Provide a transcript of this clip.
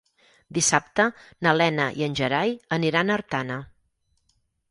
Dissabte na Lena i en Gerai aniran a Artana.